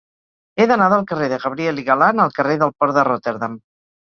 He d'anar del carrer de Gabriel y Galán al carrer del Port de Rotterdam.